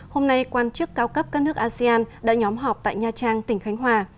hôm nay quan chức cao cấp các nước asean đã nhóm họp tại nha trang tỉnh khánh hòa